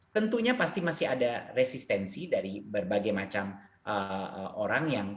tentunya pasti masih ada resistensi dari berbagai macam orang yang